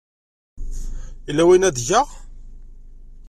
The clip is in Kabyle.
Yella wayen ara d-geɣ?